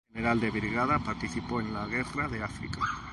General de Brigada, participó en la guerra de África.